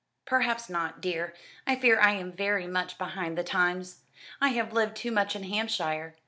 "Perhaps not, dear. I fear I am very much behind the times. I have lived too much in Hampshire.